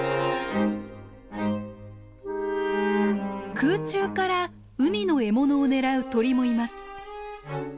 空中から海の獲物を狙う鳥もいます。